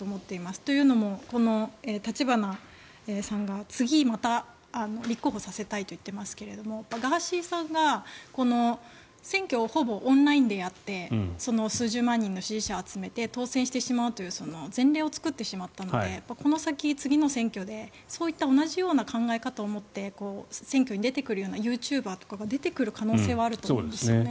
というのも、立花さんが次また立候補させたいと言ってますけれどもガーシーさんが選挙をほぼオンラインでやって数十万人の支持者を集めて当選するという前例を作ってしまったのでこの先、次の選挙でそういった同じような考え方を持って、選挙に出てくるユーチューバーとかが出てくる可能性はあると思うんですよね。